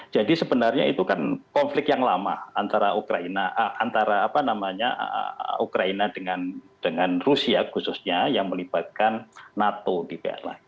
jadi sebenarnya itu kan konflik yang lama antara ukraina dengan rusia khususnya yang melibatkan nato di pla